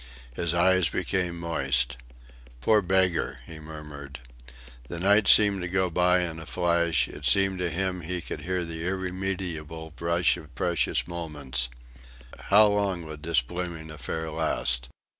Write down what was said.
His eyes became moist. "Poor beggar," he murmured. The night seemed to go by in a flash; it seemed to him he could hear the irremediable rush of precious minutes. How long would this blooming affair last?